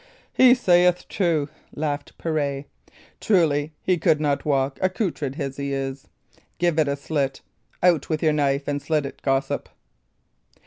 "He saith true," laughed Pirret. "Truly, he could not walk accoutred as he is. Give it a slit out with your knife and slit it, gossip."